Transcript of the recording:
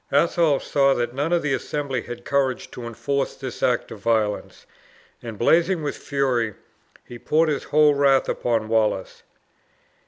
Athol saw that none in the assembly had courage to enforce this act of violence, and blazing with fury, he poured his whole wrath upon Wallace.